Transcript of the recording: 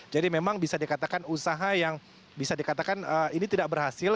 jadi memang bisa dikatakan usaha yang bisa dikatakan ini tidak berhasil